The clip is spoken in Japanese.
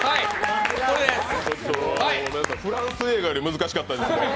フランス映画より難しかったです。